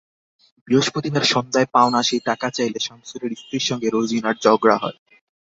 বৃহস্পতিবার সন্ধ্যায় পাওনা সেই টাকা চাইলে শামসুলের স্ত্রীর সঙ্গে রোজিনার ঝগড়া হয়।